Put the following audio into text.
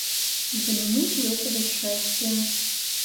За минуту этого счастья...